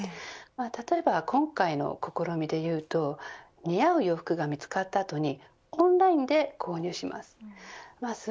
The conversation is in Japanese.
例えば今回の試みで言うと似合う洋服が見つかった後にオンラインで購入します。